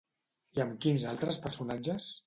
I amb quins altres personatges?